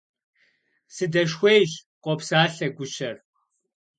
– Сыдэшхуейщ, – къопсалъэ гущэр.